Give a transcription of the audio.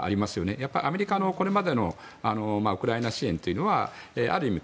やっぱりアメリカのこれまでのウクライナ支援はある意味